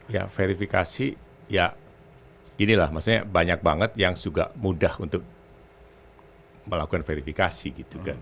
ya verifikasi ya inilah maksudnya banyak banget yang juga mudah untuk melakukan verifikasi gitu kan